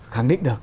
kháng định được